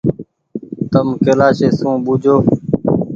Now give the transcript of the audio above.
تم ڪيلآشي سون ٻوجو ۔